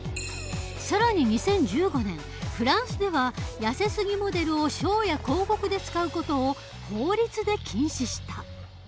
更に２０１５年フランスではやせすぎモデルをショーや広告で使う事を法律で禁止した。